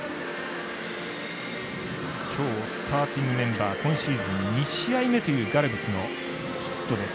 今日スターティングメンバー今シーズン２試合目というガルビスのヒットです。